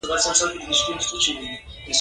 لونګینه پرڅنګ، پرڅنګ را واوړه